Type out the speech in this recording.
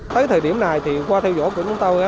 thời điểm này qua theo dõi của chúng tôi